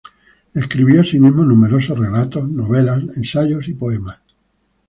Escribió asimismo numerosos relatos, novelas, ensayos y poemas.